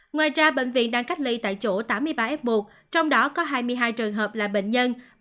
ngoài ra bệnh viện đang cách ly tại chỗ tám mươi ba f một trong đó có hai mươi hai trường hợp là bệnh nhân